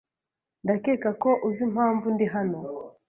Ndakeka ko uzi impamvu ndi hano.